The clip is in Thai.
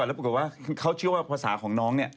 แล้วปรากฏว่าเขาเชื่อว่าภาษาของน้องเนี่ย